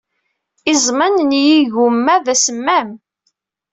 Iẓem-a n yigumma d asemmam.